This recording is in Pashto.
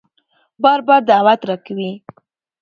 بار بار دعوت راکوي